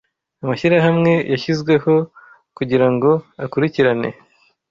Amashyirahamwe yashyizweho kugirango akurikirane